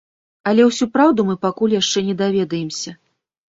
Але ўсю праўду мы пакуль яшчэ не даведаемся.